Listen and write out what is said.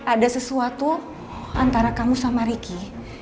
ada sesuatu antara kamu sama ricky